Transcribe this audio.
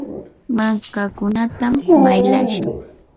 mankakunatam maylashaa.